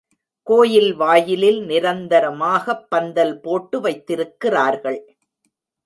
கோயில் வாயிலில், நிரந்தரமாகப் பந்தல் போட்டு வைத்திருக்கிறார்கள்.